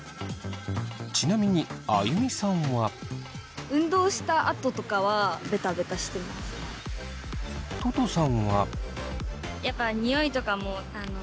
ちなみにあゆみさんは。ととさんは。